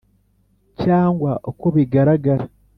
cyangwa uko bigaragara